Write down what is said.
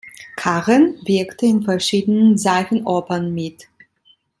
Karen wirkte in verschiedenen Seifenopern mit.